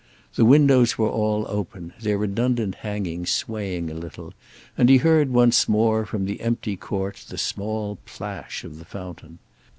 The windows were all open, their redundant hangings swaying a little, and he heard once more, from the empty court, the small plash of the fountain.